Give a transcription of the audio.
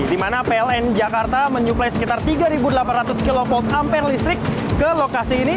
di mana pln jakarta menyuplai sekitar tiga delapan ratus kv ampere listrik ke lokasi ini